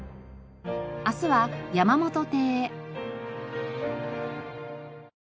明日は山本亭。